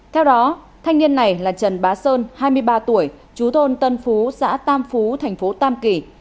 theo đó thanh niên này là trần bá sơn hai mươi ba tuổi chú thôn tân phú xã tam phú thành phố tam kỳ